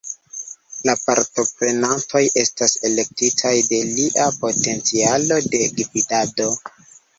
La partoprenantoj estas elektitaj de lia potencialo de gvidado.